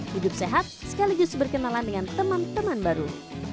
hidup sehat sekaligus berkenalan dengan teman teman baru